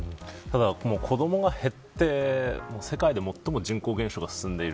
子どもが減って、世界で最も人口減少が進んでいる。